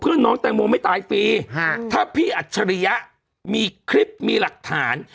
เพื่อนน้องแต่งงงไม่ตายฟรีครับถ้าพี่อัชริยมีคลิปมีหลักฐาน